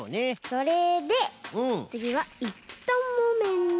それでつぎはいったんもめんにペトッ。